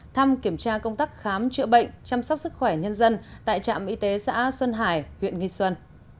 thăm kiểm tra công tác khám chữa bệnh chăm sóc sức khỏe nhân dân tại trạm y tế xã xuân hải huyện nghi xuân